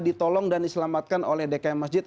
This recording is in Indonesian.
ditolong dan diselamatkan oleh dkm masjid